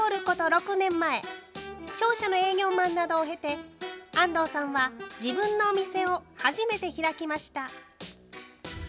６年前商社の営業マンなどを経て安藤さんは自分のお店を初めて開きました。